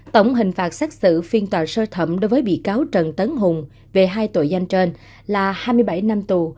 tổng hình phạt xét xử phiên tòa sơ thẩm đối với bị cáo trần tấn hùng về hai tội danh trên là hai mươi bảy năm tù